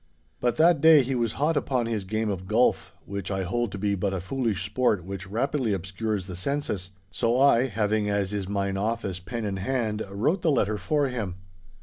But that day he was hot upon his game of golf (which I hold to be but a foolish sport which rapidly obscures the senses), so I, having, as is mine office, pen in hand, wrote the letter for him.